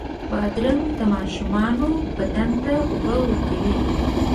بادرنګ د ماشومانو بدن ته اوبه ورکوي.